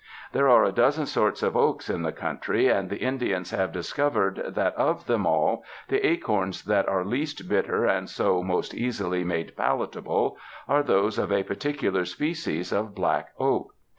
There are a dozen sorts of oaks in the country and the Indians have discovered that of them all, the acorns that are least bitter and so most easily made palatable are those of a particular species of black oak.